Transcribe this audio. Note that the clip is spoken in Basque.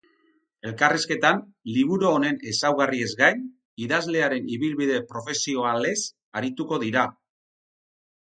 Elkarrizketan, liburu honen ezaugarriez gain, idazlearen ibilbide profesioalez arituko dira.